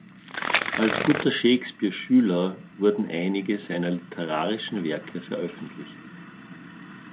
Als guter Shakespeare-Schüler wurden einige seiner literarischen Werke veröffentlicht.